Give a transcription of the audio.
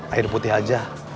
air putih aja